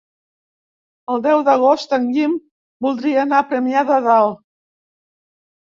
El deu d'agost en Guim voldria anar a Premià de Dalt.